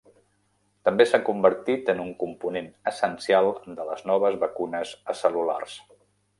També s'ha convertit en un component essencial de les noves vacunes acel·lulars.